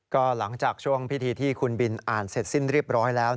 ก็หลังจากช่วงพิธีที่คุณบินอ่านเสร็จสิ้นเรียบร้อยแล้ว